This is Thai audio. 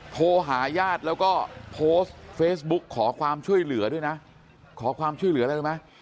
โทรหาญาติแล้วก็โพสต์เฟซบุ๊กขอความช่วยเหลือด้วยนะขอความช่วยเหลืออะไรรู้ไหม